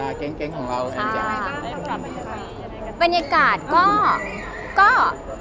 เรื่องราวที่เกิดขึ้นในบรรดาแก๊งของเราอาจจะเป็นยังไง